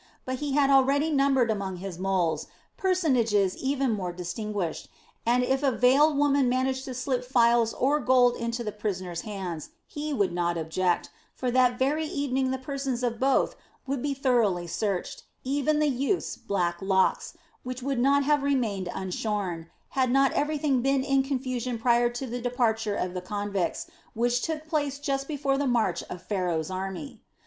But he had already numbered among his "moles," personages even more distinguished, and if the veiled woman managed to slip files or gold into the prisoner's hands, he would not object, for that very evening the persons of both would be thoroughly searched, even the youth's black locks, which would not have remained unshorn, had not everything been in confusion prior to the departure of the convicts, which took place just before the march of Pharaoh's army.